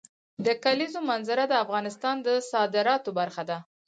د کلیزو منظره د افغانستان د صادراتو برخه ده.